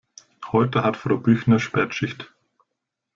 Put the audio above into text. Heute hat Frau Büchner Spätschicht.